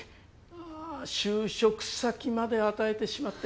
あぁ就職先まで与えてしまって。